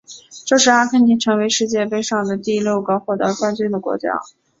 这是阿根廷成为世界杯史上的第六个获得冠军的国家。